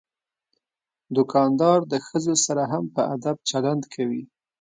دوکاندار د ښځو سره هم په ادب چلند کوي.